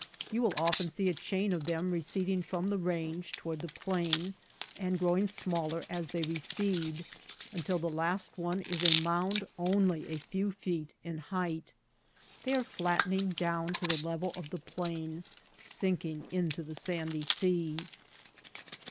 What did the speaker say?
You will often see a chain of them receding from the range toward the plain, and growing smaller as they recede, until the last one is a mound only a few feet in height. They are flattening down to the level of the plain — sinking into the sandy sea.